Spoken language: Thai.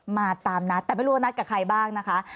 มาตามนัดแต่ไม่รู้ว่านัดกับใครบ้างนะคะ